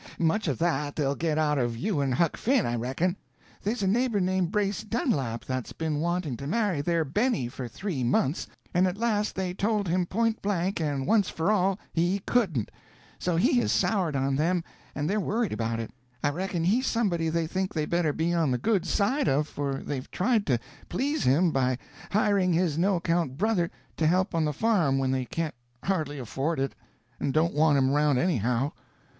Much of that they'll get out of you and Huck Finn, I reckon. There's a neighbor named Brace Dunlap that's been wanting to marry their Benny for three months, and at last they told him point blank and once for all, he could't; so he has soured on them, and they're worried about it. I reckon he's somebody they think they better be on the good side of, for they've tried to please him by hiring his no account brother to help on the farm when they can't hardly afford it, and don't want him around anyhow.